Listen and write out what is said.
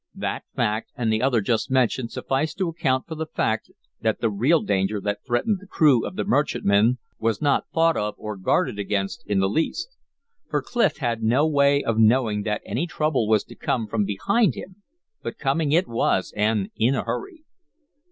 That fact and the other just mentioned sufficed to account for the fact that the real danger that threatened the crew of the merchantman was not thought of or guarded against in the least. For Clif had no way of knowing that any trouble was to come from behind him; but coming it was, and in a hurry.